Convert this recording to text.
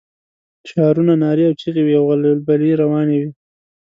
شعارونه، نارې او چيغې وې او غلبلې روانې وې.